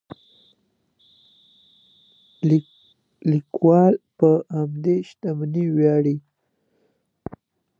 لیکوال په همدې شتمنۍ ویاړي.